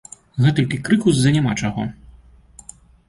Гэтулькі крыку з-за няма чаго.